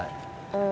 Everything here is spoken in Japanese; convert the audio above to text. うん。